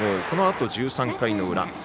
このあと１３回の裏。